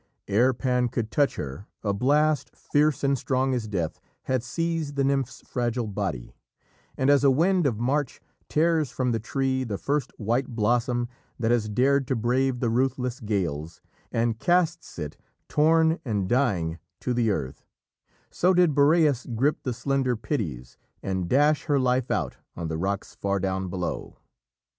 Ere Pan could touch her, a blast, fierce and strong as death, had seized the nymph's fragile body, and as a wind of March tears from the tree the first white blossom that has dared to brave the ruthless gales, and casts it, torn and dying, to the earth, so did Boreas grip the slender Pitys and dash her life out on the rocks far down below.